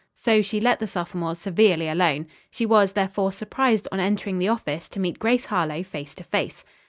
So she let the sophomores severely alone. She was, therefore, surprised on entering the office to meet Grace Harlowe face to face.